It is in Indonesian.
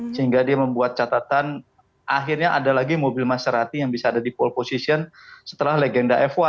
sehingga dia membuat catatan akhirnya ada lagi mobil masterati yang bisa ada di pole position setelah legenda f satu